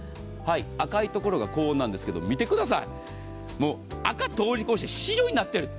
赤い所が高温なんですけど、見てください、赤通り越して白になってる。